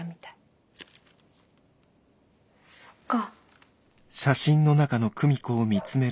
そっか。